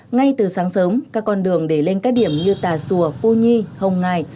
ngay từ sáng sớm các con đường để lên các điểm như tà sùa phu nhi hồng ngài